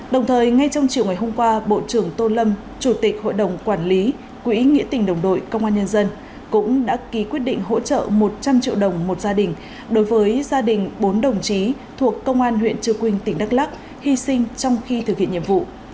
đồng thời ngay trong chiều ngày hôm qua bộ trưởng tô lâm chủ tịch hội đồng quản lý quỹ nghĩa tình đồng đội công an nhân dân cũng đã ký quyết định hỗ trợ một trăm linh triệu đồng một gia đình đối với gia đình bốn đồng chí thuộc công an huyện trư quynh tỉnh đắk lắc hy sinh trong khi thực hiện nhiệm vụ